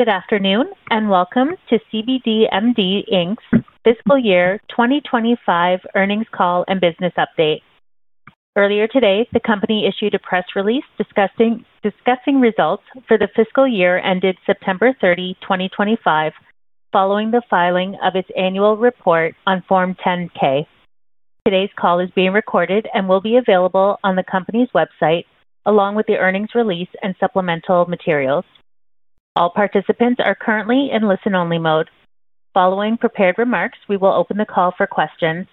Good afternoon and welcome to cbdMD, Inc.'s fiscal year 2025 earnings call and business update. Earlier today, the company issued a press release discussing results for the fiscal year ended September 30, 2025, following the filing of its annual report on Form 10-K. Today's call is being recorded and will be available on the company's website along with the earnings release and supplemental materials. All participants are currently in listen-only mode. Following prepared remarks, we will open the call for questions.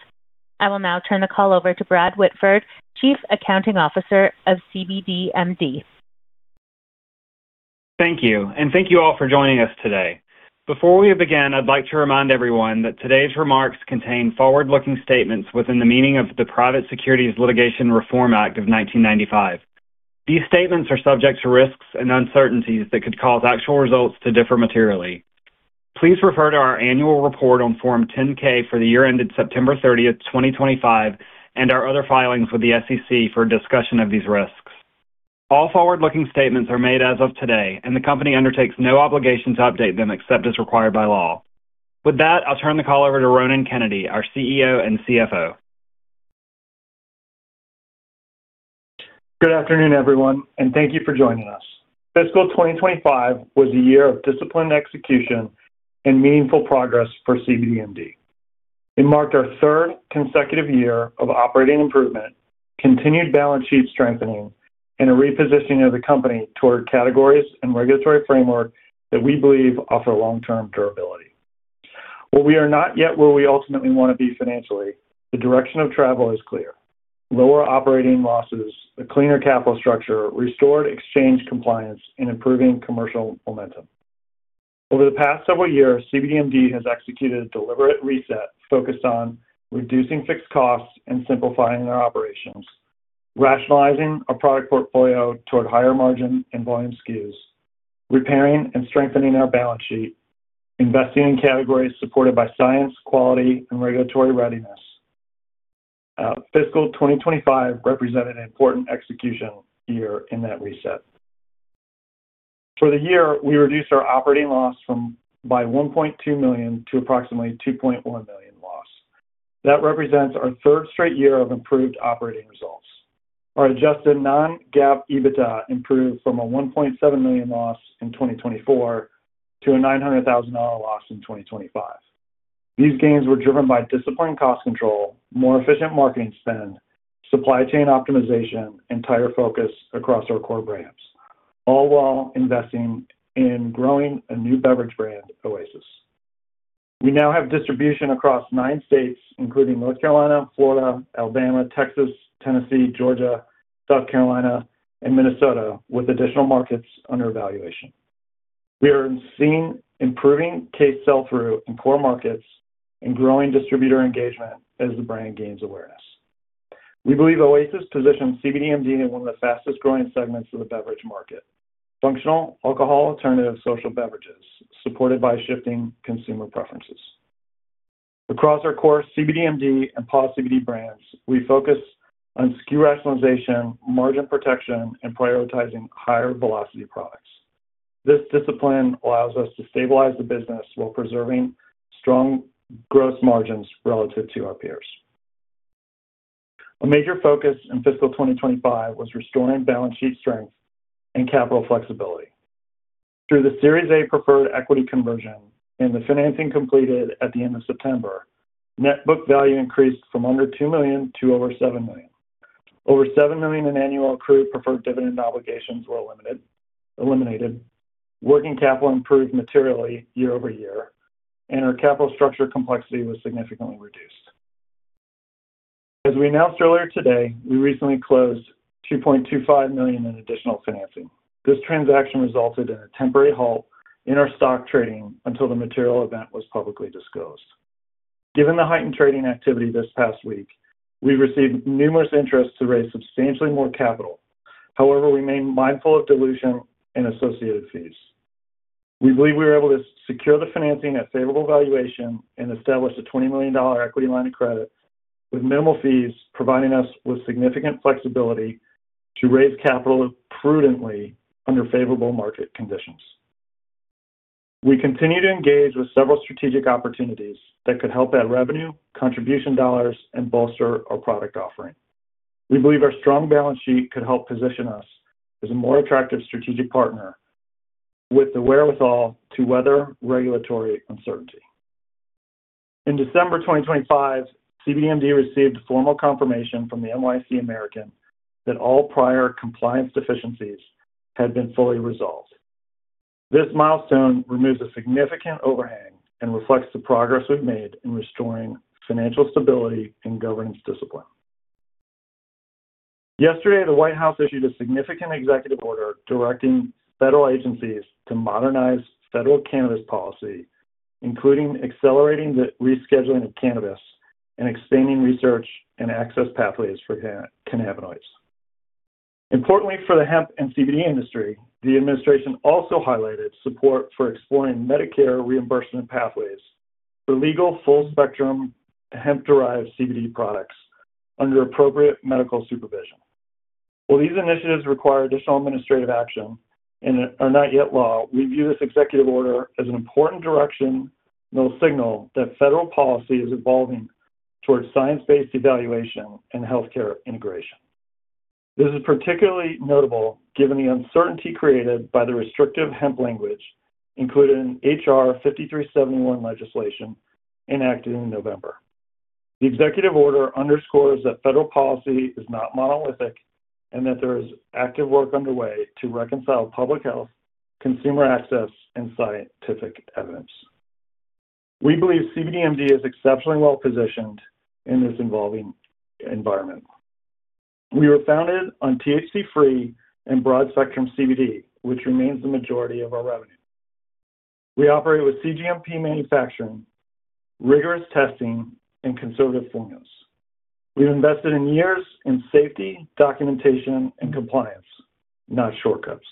I will now turn the call over to Brad Whitford, Chief Accounting Officer of cbdMD. Thank you, and thank you all for joining us today. Before we begin, I'd like to remind everyone that today's remarks contain forward-looking statements within the meaning of the Private Securities Litigation Reform Act of 1995. These statements are subject to risks and uncertainties that could cause actual results to differ materially. Please refer to our annual report on Form 10-K for the year ended September 30, 2025, and our other filings with the SEC for discussion of these risks. All forward-looking statements are made as of today, and the company undertakes no obligation to update them except as required by law. With that, I'll turn the call over to Ronan Kennedy, our CEO and CFO. Good afternoon, everyone, and thank you for joining us. Fiscal 2025 was a year of disciplined execution and meaningful progress for cbdMD. It marked our third consecutive year of operating improvement, continued balance sheet strengthening, and a repositioning of the company toward categories and regulatory framework that we believe offer long-term durability. While we are not yet where we ultimately want to be financially, the direction of travel is clear: lower operating losses, a cleaner capital structure, restored exchange compliance, and improving commercial momentum. Over the past several years, cbdMD has executed a deliberate reset focused on reducing fixed costs and simplifying our operations, rationalizing our product portfolio toward higher margin and volume SKUs, repairing and strengthening our balance sheet, investing in categories supported by science, quality, and regulatory readiness. Fiscal 2025 represented an important execution year in that reset. For the year, we reduced our operating loss by $1.2 million to approximately $2.1 million loss. That represents our third straight year of improved operating results. Our adjusted non-GAAP EBITDA improved from a $1.7 million loss in 2024 to a $900,000 loss in 2025. These gains were driven by disciplined cost control, more efficient marketing spend, supply chain optimization, and tighter focus across our core brands, all while investing in growing a new beverage brand, Oasis. We now have distribution across nine states, including North Carolina, Florida, Alabama, Texas, Tennessee, Georgia, South Carolina, and Minnesota, with additional markets under evaluation. We are seeing improving case sell-through in core markets and growing distributor engagement as the brand gains awareness. We believe Oasis positions cbdMD in one of the fastest-growing segments of the beverage market: functional alcohol alternative social beverages, supported by shifting consumer preferences. Across our core cbdMD and Paw CBD brands, we focus on SKU rationalization, margin protection, and prioritizing higher velocity products. This discipline allows us to stabilize the business while preserving strong gross margins relative to our peers. A major focus in fiscal 2025 was restoring balance sheet strength and capital flexibility. Through the Series A preferred equity conversion and the financing completed at the end of September, net book value increased from under $2 million to over $7 million. Over $7 million in annual accrued preferred dividend obligations were eliminated, working capital improved materially year over year, and our capital structure complexity was significantly reduced. As we announced earlier today, we recently closed $2.25 million in additional financing. This transaction resulted in a temporary halt in our stock trading until the material event was publicly disclosed. Given the heightened trading activity this past week, we've received numerous interest to raise substantially more capital. However, we remain mindful of dilution and associated fees. We believe we were able to secure the financing at favorable valuation and establish a $20 million equity line of credit with minimal fees, providing us with significant flexibility to raise capital prudently under favorable market conditions. We continue to engage with several strategic opportunities that could help add revenue, contribution dollars, and bolster our product offering. We believe our strong balance sheet could help position us as a more attractive strategic partner with the wherewithal to weather regulatory uncertainty. In December 2025, cbdMD received formal confirmation from the NYSE American that all prior compliance deficiencies had been fully resolved. This milestone removes a significant overhang and reflects the progress we've made in restoring financial stability and governance discipline. Yesterday, the White House issued a significant executive order directing federal agencies to modernize federal cannabis policy, including accelerating the rescheduling of cannabis and expanding research and access pathways for cannabinoids. Importantly for the hemp and CBD industry, the administration also highlighted support for exploring Medicare reimbursement pathways for legal full-spectrum hemp-derived CBD products under appropriate medical supervision. While these initiatives require additional administrative action and are not yet law, we view this executive order as an important direction that will signal that federal policy is evolving toward science-based evaluation and healthcare integration. This is particularly notable given the uncertainty created by the restrictive hemp language included in H.R. 5371 legislation enacted in November. The executive order underscores that federal policy is not monolithic and that there is active work underway to reconcile public health, consumer access, and scientific evidence. We believe cbdMD is exceptionally well positioned in this evolving environment. We were founded on THC-free and broad-spectrum CBD, which remains the majority of our revenue. We operate with cGMP manufacturing, rigorous testing, and conservative formulas. We've invested in years in safety, documentation, and compliance, not shortcuts.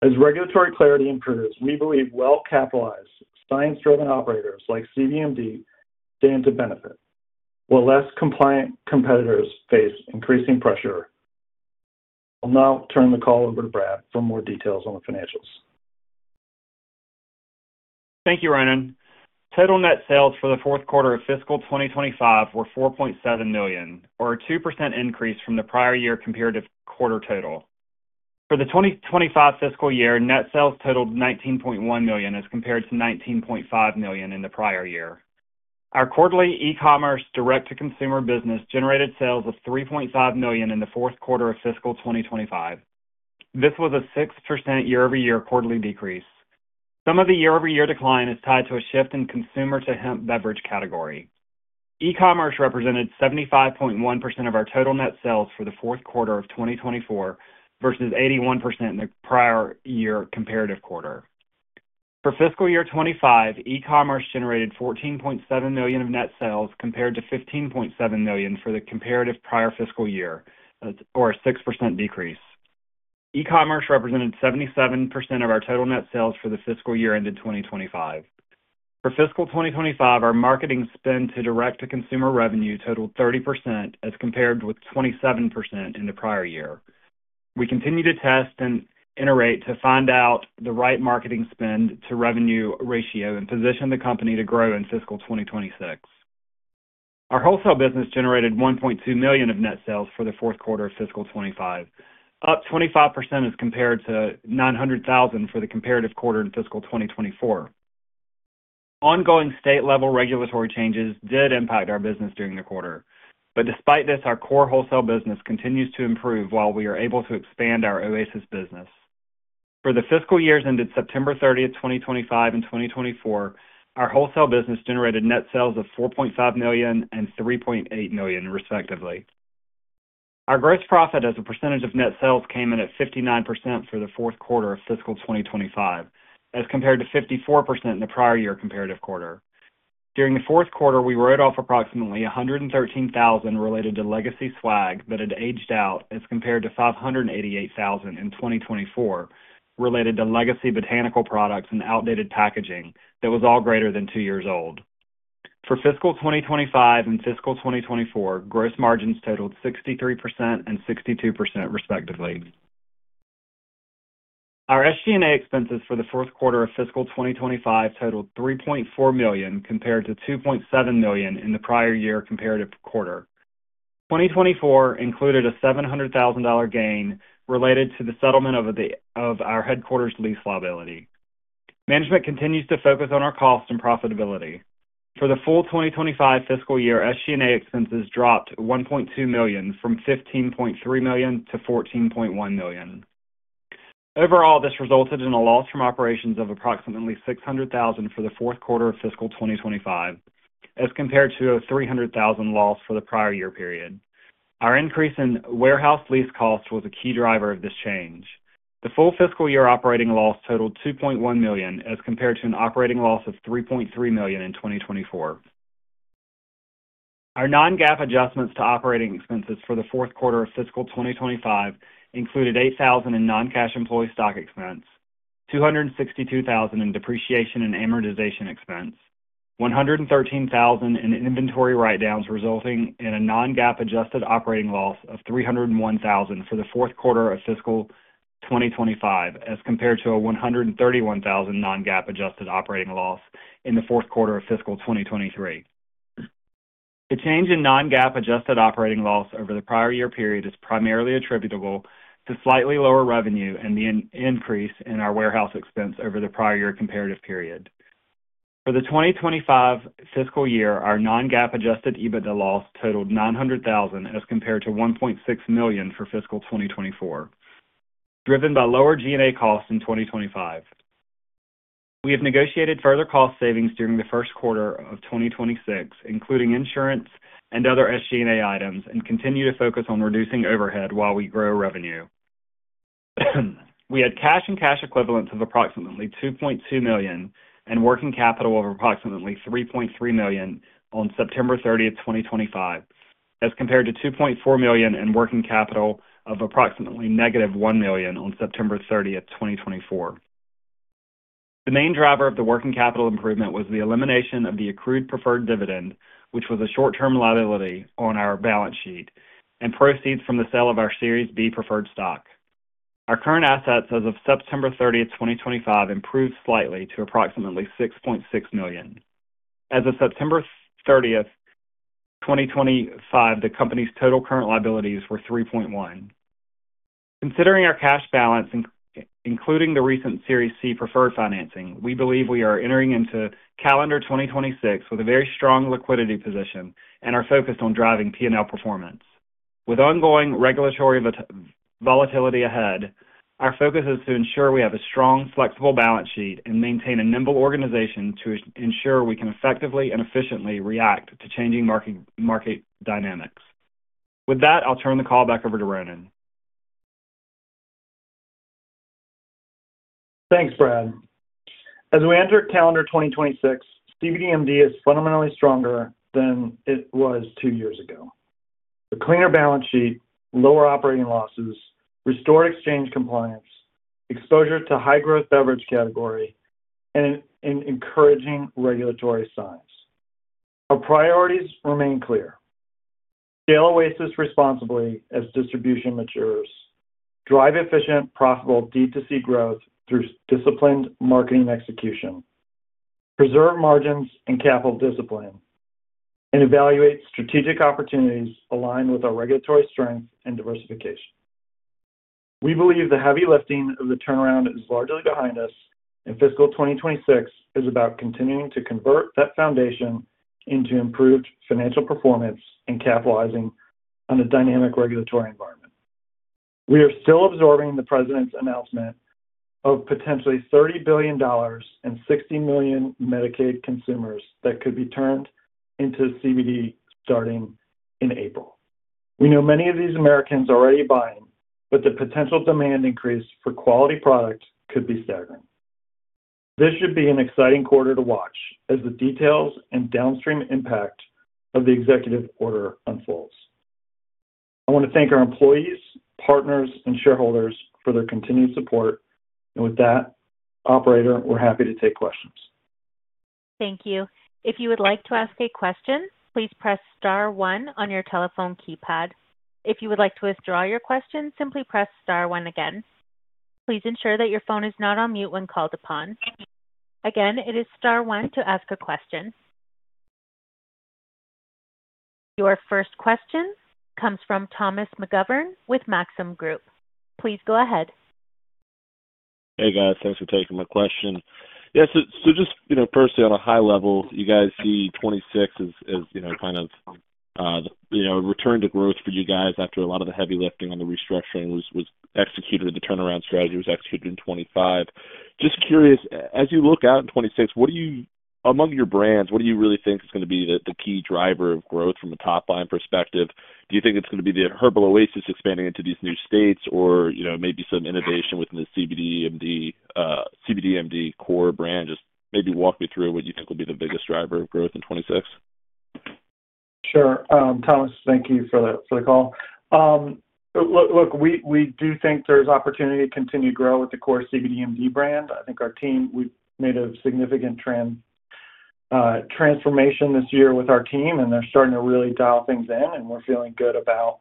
As regulatory clarity improves, we believe well-capitalized, science-driven operators like cbdMD stand to benefit, while less compliant competitors face increasing pressure. I'll now turn the call over to Brad for more details on the financials. Thank you, Ronan. Total net sales for the fourth quarter of fiscal 2025 were $4.7 million, or a 2% increase from the prior year compared to quarter total. For the 2025 fiscal year, net sales totaled $19.1 million as compared to $19.5 million in the prior year. Our quarterly e-commerce direct-to-consumer business generated sales of $3.5 million in the fourth quarter of fiscal 2025. This was a 6% year-over-year quarterly decrease. Some of the year-over-year decline is tied to a shift in consumer to hemp beverage category. E-commerce represented 75.1% of our total net sales for the fourth quarter of 2024 versus 81% in the prior year comparative quarter. For fiscal year 2025, e-commerce generated $14.7 million of net sales compared to $15.7 million for the comparative prior fiscal year, or a 6% decrease. E-commerce represented 77% of our total net sales for the fiscal year ended 2025. For fiscal 2025, our marketing spend to direct-to-consumer revenue totaled 30% as compared with 27% in the prior year. We continue to test and iterate to find out the right marketing spend-to-revenue ratio and position the company to grow in fiscal 2026. Our wholesale business generated $1.2 million of net sales for the fourth quarter of fiscal 2025, up 25% as compared to $900,000 for the comparative quarter in fiscal 2024. Ongoing state-level regulatory changes did impact our business during the quarter, but despite this, our core wholesale business continues to improve while we are able to expand our Oasis business. For the fiscal years ended September 30, 2025, and 2024, our wholesale business generated net sales of $4.5 million and $3.8 million, respectively. Our gross profit as a percentage of net sales came in at 59% for the fourth quarter of fiscal 2025, as compared to 54% in the prior year comparative quarter. During the fourth quarter, we wrote off approximately $113,000 related to legacy swag that had aged out as compared to $588,000 in 2024 related to legacy botanical products and outdated packaging that was all greater than two years old. For fiscal 2025 and fiscal 2024, gross margins totaled 63% and 62%, respectively. Our SG&A expenses for the fourth quarter of fiscal 2025 totaled $3.4 million compared to $2.7 million in the prior year comparative quarter. 2024 included a $700,000 gain related to the settlement of our headquarters' lease liability. Management continues to focus on our cost and profitability. For the full 2025 fiscal year, SG&A expenses dropped $1.2 million from $15.3 million to $14.1 million. Overall, this resulted in a loss from operations of approximately $600,000 for the fourth quarter of fiscal 2025, as compared to a $300,000 loss for the prior year period. Our increase in warehouse lease cost was a key driver of this change. The full fiscal year operating loss totaled $2.1 million as compared to an operating loss of $3.3 million in 2024. Our non-GAAP adjustments to operating expenses for the fourth quarter of fiscal 2025 included $8,000 in non-cash employee stock expense, $262,000 in depreciation and amortization expense, $113,000 in inventory write-downs resulting in a non-GAAP adjusted operating loss of $301,000 for the fourth quarter of fiscal 2025, as compared to a $131,000 non-GAAP adjusted operating loss in the fourth quarter of fiscal 2023. The change in non-GAAP adjusted operating loss over the prior year period is primarily attributable to slightly lower revenue and the increase in our warehouse expense over the prior year comparative period. For the 2025 fiscal year, our non-GAAP adjusted EBITDA loss totaled $900,000 as compared to $1.6 million for fiscal 2024, driven by lower G&A costs in 2025. We have negotiated further cost savings during the first quarter of 2026, including insurance and other SG&A items, and continue to focus on reducing overhead while we grow revenue. We had cash and cash equivalents of approximately $2.2 million and working capital of approximately $3.3 million on September 30, 2025, as compared to $2.4 million in working capital of approximately -$1 million on September 30, 2024. The main driver of the working capital improvement was the elimination of the accrued preferred dividend, which was a short-term liability on our balance sheet and proceeds from the sale of our Series B preferred stock. Our current assets as of September 30, 2025, improved slightly to approximately $6.6 million. As of September 30, 2025, the company's total current liabilities were $3.1 million. Considering our cash balance, including the recent Series C preferred financing, we believe we are entering into calendar 2026 with a very strong liquidity position and are focused on driving P&L performance. With ongoing regulatory volatility ahead, our focus is to ensure we have a strong, flexible balance sheet and maintain a nimble organization to ensure we can effectively and efficiently react to changing market dynamics. With that, I'll turn the call back over to Ronan. Thanks, Brad. As we enter calendar 2026, cbdMD is fundamentally stronger than it was two years ago. The cleaner balance sheet, lower operating losses, restored exchange compliance, exposure to high-growth beverage category, and encouraging regulatory signs. Our priorities remain clear: scale Oasis responsibly as distribution matures, drive efficient, profitable D2C growth through disciplined marketing execution, preserve margins and capital discipline, and evaluate strategic opportunities aligned with our regulatory strength and diversification. We believe the heavy lifting of the turnaround is largely behind us, and fiscal 2026 is about continuing to convert that foundation into improved financial performance and capitalizing on a dynamic regulatory environment. We are still absorbing the President's announcement of potentially $30 billion and 60 million Medicaid consumers that could be turned into CBD starting in April. We know many of these Americans are already buying, but the potential demand increase for quality product could be staggering. This should be an exciting quarter to watch as the details and downstream impact of the executive order unfolds. I want to thank our employees, partners, and shareholders for their continued support. And with that, Operator, we're happy to take questions. Thank you. If you would like to ask a question, please press star one on your telephone keypad. If you would like to withdraw your question, simply press star one again. Please ensure that your phone is not on mute when called upon. Again, it is star one to ask a question. Your first question comes from Thomas McGovern with Maxim Group. Please go ahead. Hey, guys. Thanks for taking my question. Yeah, so just, you know, firstly, on a high level, you guys see 2026 as, you know, kind of, you know, a return to growth for you guys after a lot of the heavy lifting on the restructuring was executed. The turnaround strategy was executed in 2025. Just curious, as you look out in 2026, what do you, among your brands, what do you really think is going to be the key driver of growth from a top-line perspective? Do you think it's going to be the Herbal Oasis expanding into these new states or, you know, maybe some innovation within the cbdMD, cbdMD core brand? Just maybe walk me through what you think will be the biggest driver of growth in 2026. Sure. Thomas, thank you for the call. Look, we do think there's opportunity to continue to grow with the core cbdMD brand. I think our team, we've made a significant transformation this year with our team, and they're starting to really dial things in, and we're feeling good about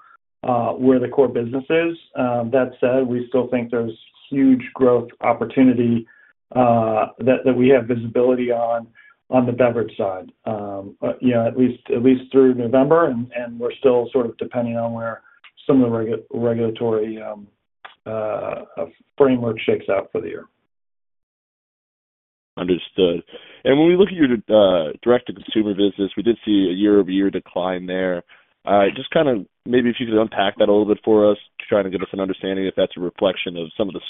where the core business is. That said, we still think there's huge growth opportunity that we have visibility on, on the beverage side, you know, at least through November, and we're still sort of depending on where some of the regulatory framework shakes out for the year. Understood. And when we look at your direct-to-consumer business, we did see a year-over-year decline there. Just kind of maybe if you could unpack that a little bit for us, trying to get us an understanding if that's a reflection of some of the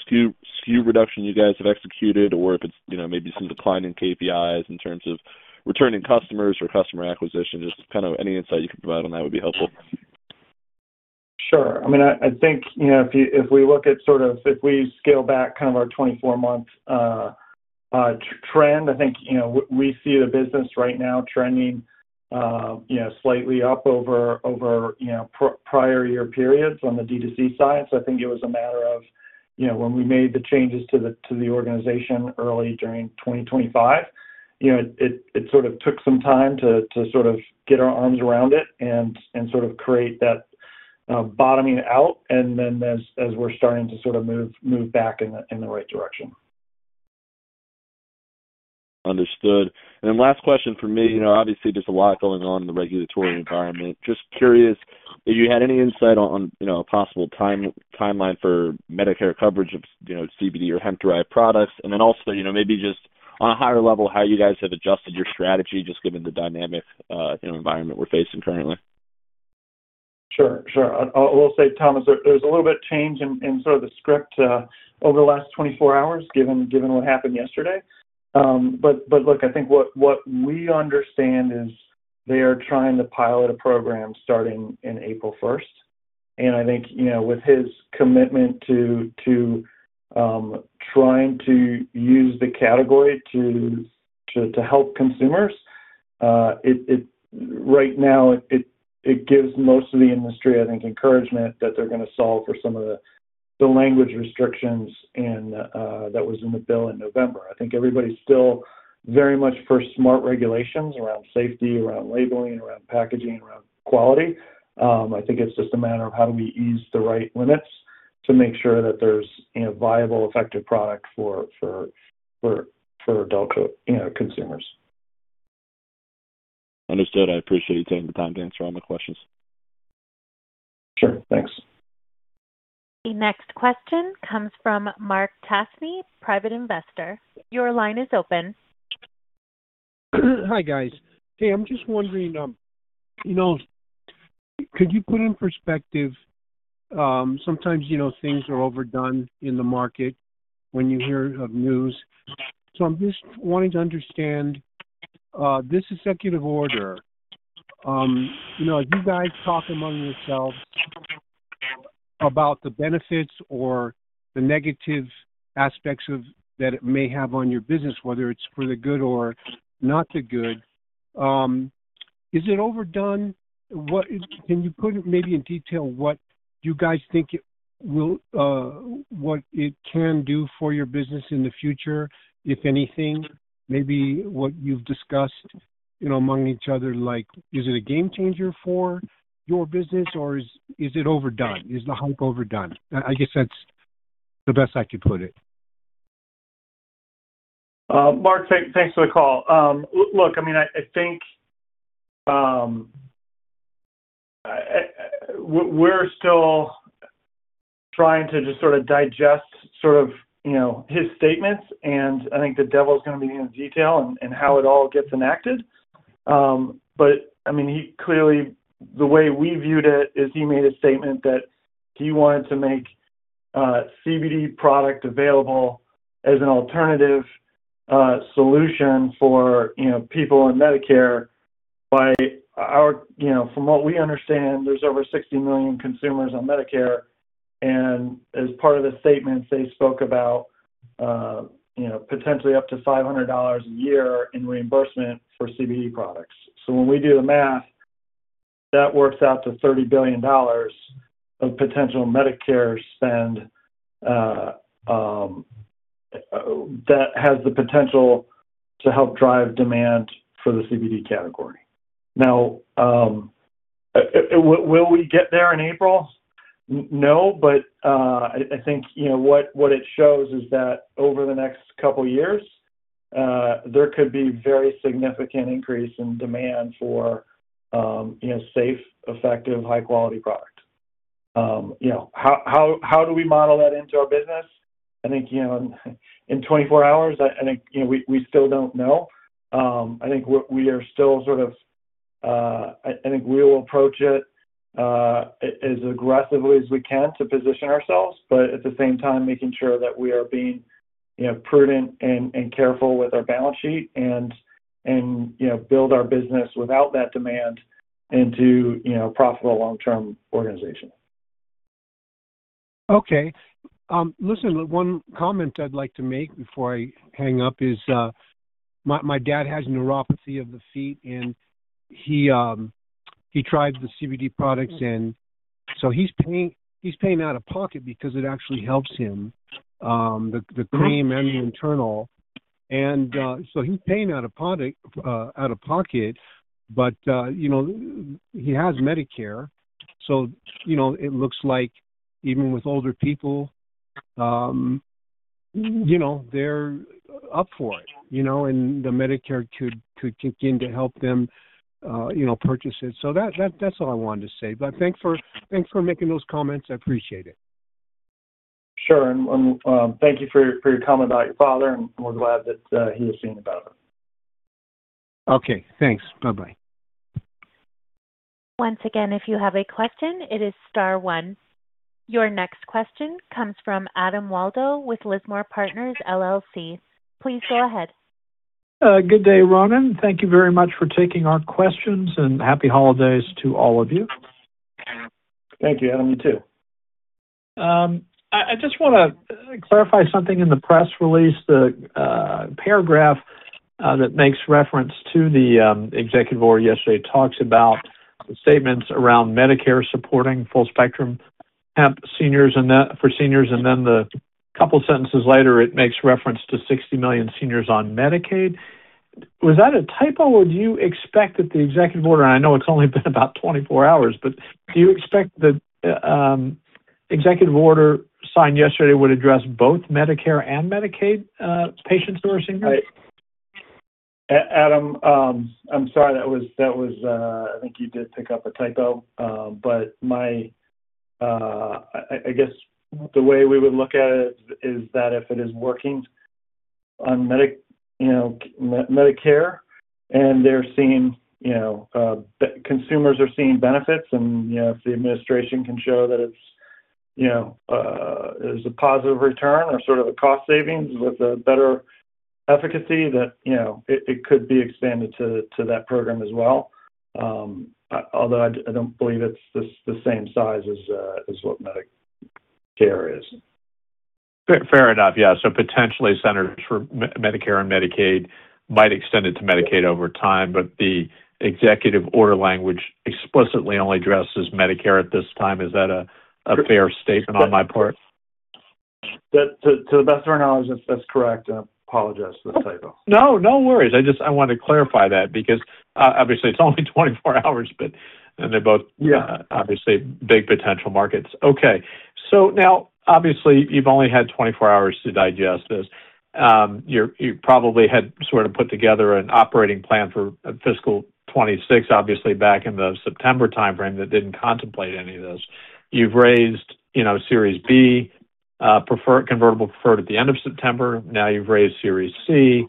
SKU reduction you guys have executed or if it's, you know, maybe some decline in KPIs in terms of returning customers or customer acquisition. Just kind of any insight you can provide on that would be helpful. Sure. I mean, I think, you know, if we look at sort of, if we scale back kind of our 24-month trend, I think, you know, we see the business right now trending, you know, slightly up over, you know, prior year periods on the D2C side. So I think it was a matter of, you know, when we made the changes to the organization early during 2025, you know, it sort of took some time to sort of get our arms around it and sort of create that bottoming out, and then as we're starting to sort of move back in the right direction. Understood. And then last question for me, you know, obviously there's a lot going on in the regulatory environment. Just curious, have you had any insight on, you know, a possible timeline for Medicare coverage of, you know, CBD or hemp-derived products? And then also, you know, maybe just on a higher level, how you guys have adjusted your strategy just given the dynamic environment we're facing currently? Sure. Sure. I will say, Thomas, there's a little bit of change in sort of the script over the last 24 hours given what happened yesterday. But look, I think what we understand is they are trying to pilot a program starting in April 1st. And I think, you know, with his commitment to trying to use the category to help consumers, right now it gives most of the industry, I think, encouragement that they're going to solve for some of the language restrictions that was in the bill in November. I think everybody's still very much for smart regulations around safety, around labeling, around packaging, around quality. I think it's just a matter of how do we ease the right limits to make sure that there's a viable, effective product for adult consumers. Understood. I appreciate you taking the time to answer all my questions. Sure. Thanks. The next question comes from Mark Tasney, private investor. Your line is open. Hi, guys. Hey, I'm just wondering, you know, could you put in perspective? Sometimes, you know, things are overdone in the market when you hear of news. So I'm just wanting to understand this executive order, you know, as you guys talk among yourselves about the benefits or the negative aspects that it may have on your business, whether it's for the good or not the good, is it overdone? Can you put it maybe in detail what you guys think it will, what it can do for your business in the future, if anything? Maybe what you've discussed, you know, among each other, like, is it a game changer for your business or is it overdone? Is the hype overdone? I guess that's the best I could put it. Mark, thanks for the call. Look, I mean, I think we're still trying to just sort of digest sort of, you know, his statements, and I think the devil's going to be in the detail and how it all gets enacted. But I mean, he clearly, the way we viewed it is he made a statement that he wanted to make CBD product available as an alternative solution for, you know, people on Medicare by our, you know, from what we understand, there's over 60 million consumers on Medicare. And as part of the statements, they spoke about, you know, potentially up to $500 a year in reimbursement for CBD products. So when we do the math, that works out to $30 billion of potential Medicare spend that has the potential to help drive demand for the CBD category. Now, will we get there in April? No, but I think, you know, what it shows is that over the next couple of years, there could be a very significant increase in demand for, you know, safe, effective, high-quality product. You know, how do we model that into our business? I think, you know, in 24 hours, I think, you know, we still don't know. I think we are still sort of, I think we will approach it as aggressively as we can to position ourselves, but at the same time, making sure that we are being, you know, prudent and careful with our balance sheet and, you know, build our business without that demand into, you know, a profitable long-term organization. Okay. Listen, one comment I'd like to make before I hang up is my dad has neuropathy of the feet, and he tried the CBD products, and so he's paying out of pocket because it actually helps him, the cream and the internal. And so he's paying out of pocket, but, you know, he has Medicare. So, you know, it looks like even with older people, you know, they're up for it, you know, and the Medicare could kick in to help them, you know, purchase it. So that's all I wanted to say. But thanks for making those comments. I appreciate it. Sure. And thank you for your comment about your father, and we're glad that he is seeing the benefit. Okay. Thanks. Bye-bye. Once again, if you have a question, it is Star 1. Your next question comes from Adam Waldo with Lismore Partners, LLC. Please go ahead. Good day, Ronan. Thank you very much for taking our questions, and happy holidays to all of you. Thank you, Adam. You too. I just want to clarify something in the press release. The paragraph that makes reference to the executive order yesterday talks about the statements around Medicare supporting full-spectrum hemp for seniors, and then the couple of sentences later, it makes reference to 60 million seniors on Medicaid. Was that a typo? Would you expect that the executive order, and I know it's only been about 24 hours, but do you expect the executive order signed yesterday would address both Medicare and Medicaid patients who are seniors? Adam, I'm sorry. That was. I think you did pick up a typo, but I guess the way we would look at it is that if it is working on Medicare, and they're seeing, you know, consumers are seeing benefits, and, you know, if the administration can show that it's, you know, there's a positive return or sort of a cost savings with a better efficacy, that, you know, it could be expanded to that program as well. Although I don't believe it's the same size as what Medicare is. Fair enough. Yeah, so potentially Centers for Medicare and Medicaid might extend it to Medicaid over time, but the executive order language explicitly only addresses Medicare at this time. Is that a fair statement on my part? To the best of our knowledge, that's correct. I apologize for the typo. No, no worries. I just wanted to clarify that because obviously it's only 24 hours, but they're both obviously big potential markets. Okay. So now, obviously, you've only had 24 hours to digest this. You probably had sort of put together an operating plan for fiscal 2026, obviously back in the September timeframe that didn't contemplate any of this. You've raised, you know, Series B, convertible preferred at the end of September. Now you've raised Series C.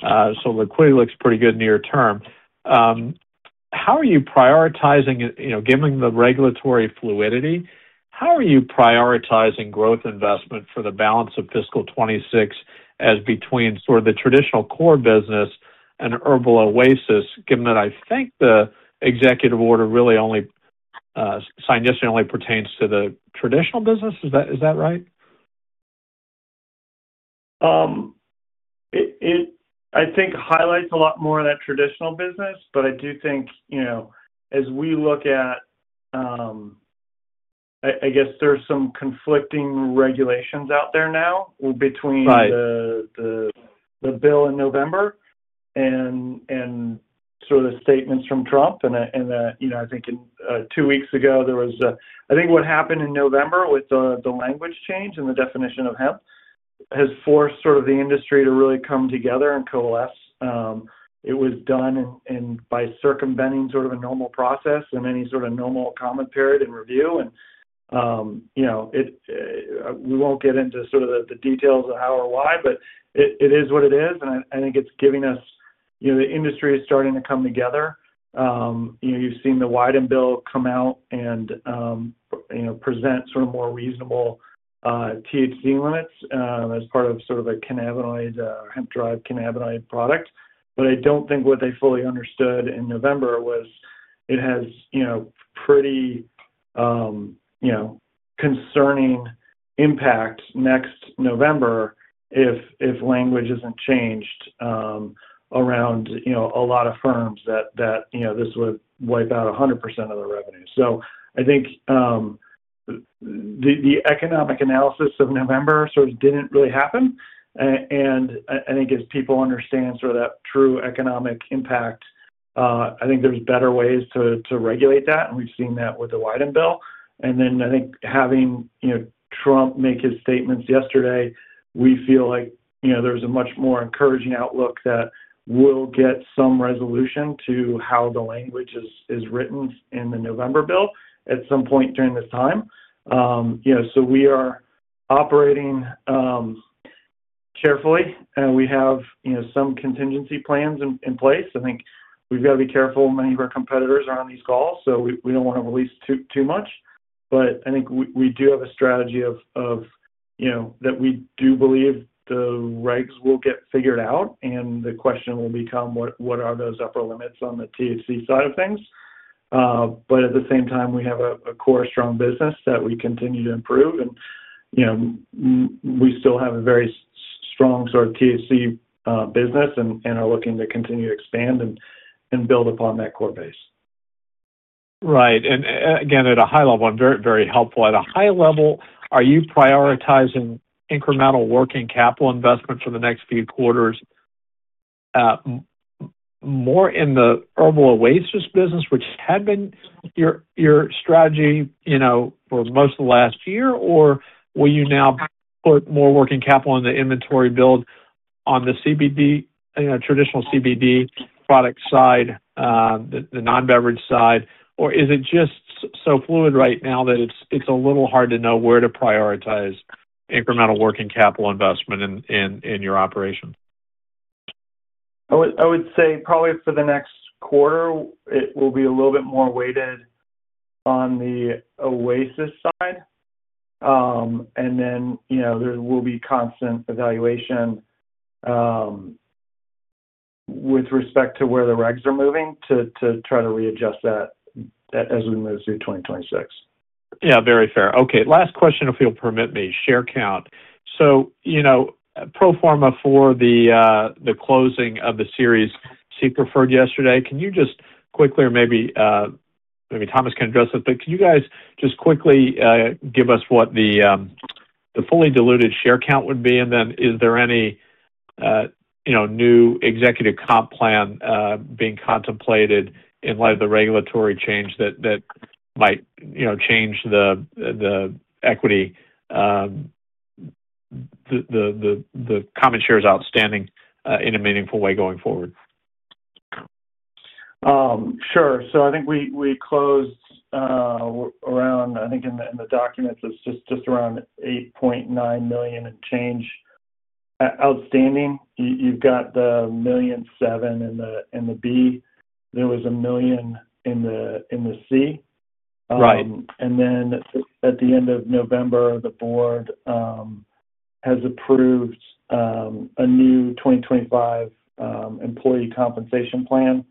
So liquidity looks pretty good near term. How are you prioritizing, you know, given the regulatory fluidity, how are you prioritizing growth investment for the balance of fiscal 2026 as between sort of the traditional core business and Herbal Oasis, given that I think the executive order really only signed yesterday only pertains to the traditional business? Is that right? It, I think, highlights a lot more of that traditional business, but I do think, you know, as we look at, I guess there's some conflicting regulations out there now between the bill in November and sort of the statements from Trump. And that, you know, I think two weeks ago there was a, I think what happened in November with the language change and the definition of hemp has forced sort of the industry to really come together and coalesce. It was done by circumventing sort of a normal process and any sort of normal comment period and review. And, you know, we won't get into sort of the details of how or why, but it is what it is. And I think it's giving us, you know, the industry is starting to come together. You've seen the Wyden bill come out and, you know, present sort of more reasonable THC limits as part of sort of a cannabinoid or hemp-derived cannabinoid product. But I don't think what they fully understood in November was it has, you know, pretty, you know, concerning impact next November if language isn't changed around, you know, a lot of firms that, you know, this would wipe out 100% of their revenue. So I think the economic analysis of November sort of didn't really happen. And I think as people understand sort of that true economic impact, I think there's better ways to regulate that. And we've seen that with the Wyden bill. I think having, you know, Trump make his statements yesterday, we feel like, you know, there's a much more encouraging outlook that we'll get some resolution to how the language is written in the November bill at some point during this time. You know, so we are operating carefully, and we have, you know, some contingency plans in place. I think we've got to be careful. Many of our competitors are on these calls, so we don't want to release too much. But I think we do have a strategy of, you know, that we do believe the regs will get figured out, and the question will become what are those upper limits on the THC side of things. But at the same time, we have a core strong business that we continue to improve. You know, we still have a very strong sort of THC business and are looking to continue to expand and build upon that core base. Right. And again, at a high level, and very, very helpful. At a high level, are you prioritizing incremental working capital investment for the next few quarters more in the Herbal Oasis business, which had been your strategy, you know, for most of the last year, or will you now put more working capital in the inventory build on the CBD, you know, traditional CBD product side, the non-beverage side? Or is it just so fluid right now that it's a little hard to know where to prioritize incremental working capital investment in your operation? I would say probably for the next quarter, it will be a little bit more weighted on the Oasis side. And then, you know, there will be constant evaluation with respect to where the regs are moving to try to readjust that as we move through 2026. Yeah. Very fair. Okay. Last question, if you'll permit me. Share count. So, you know, pro forma for the closing of the Series C preferred yesterday, can you just quickly, or maybe Thomas can address it, but can you guys just quickly give us what the fully diluted share count would be? And then is there any, you know, new executive comp plan being contemplated in light of the regulatory change that might, you know, change the equity, the common shares outstanding in a meaningful way going forward? Sure, so I think we closed around. I think in the documents, it's just around 8.9 million and change outstanding. You've got the 1.7 million in the B. There was 1 million in the C. Right. Then at the end of November, the board has approved a new 2025 employee compensation plan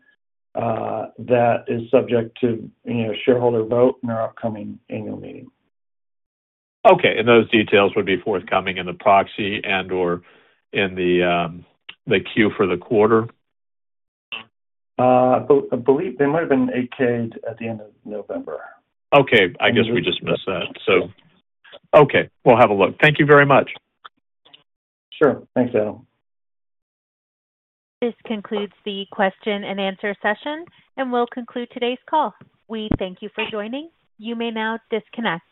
that is subject to, you know, shareholder vote in our upcoming annual meeting. Okay. And those details would be forthcoming in the proxy and/or in the Q for the quarter? I believe they might have been 8-K'd at the end of November. Okay. I guess we just missed that. So, okay. We'll have a look. Thank you very much. Sure. Thanks, Adam. This concludes the question and answer session, and we'll conclude today's call. We thank you for joining. You may now disconnect.